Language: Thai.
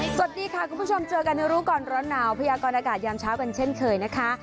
สวัสดีค่ะคุณผู้ชมเจอกันในรู้ก่อนร้อนหนาวพยากรอากาศยามเช้ากันเช่นเคยนะคะ